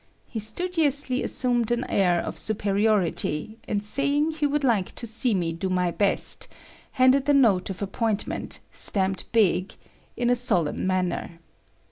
He studiously assumed an air of superiority, and saying he would like to see me do my best, handed the note of appointment, stamped big, in a solemn manner.